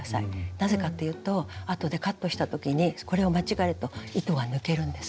なぜかというとあとでカットした時にこれを間違えると糸が抜けるんです。